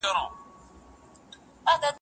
ها عزازیل چې د لاهور د تخت له پاس به راته